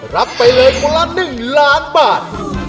รับไปเลยคนละ๑ล้านบาท